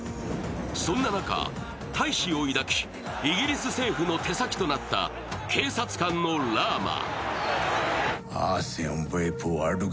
そんな中、大志を抱き、イギリス政府の手先となった警察官のラーマ。